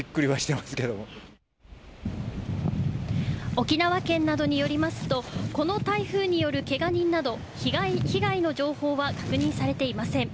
沖縄県などによりますとこの台風による、けが人など被害の情報は確認されていません。